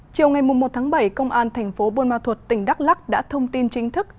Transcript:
chiều ngày một tháng bảy công an thành phố buôn ma thuột tỉnh đắk lắc đã thông tin chính thức